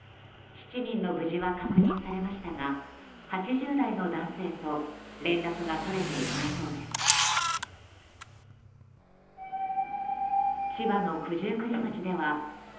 ７人の無事は確認されましたが８０代の男性と連絡が取れていないそうです。